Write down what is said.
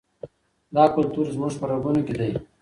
دا کلتور زموږ په رګونو کې دی.